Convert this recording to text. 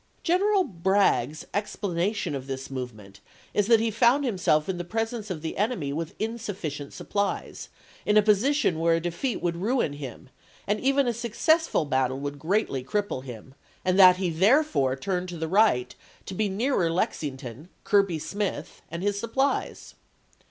General Bragg's explanation of this movement is that he found himself in the presence of the enemy with insufficient supplies, in a position where a defeat would ruin him, and even a successful battle would greatly cripple him, and that he therefore turned to the right to be nearer Lexington, Kirby Smith, and his supplies.